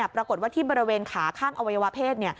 ปรากฏว่าที่บริเวณขาข้างอวัยวะเพศ